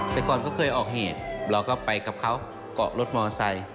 แต่ก่อนเขาเคยออกเหตุเราก็ไปกับเขาเกาะรถมอไซค์